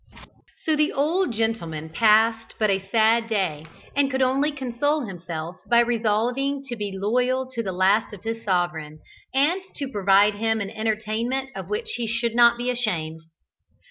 So the old gentleman passed but a sad day, and could only console himself by resolving to be loyal to the last to his sovereign, and to provide him an entertainment of which he should not be ashamed.